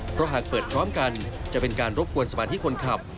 เพราะหากเปิดพร้อมกันจะเป็นการรบกวนสมาธิคนขับ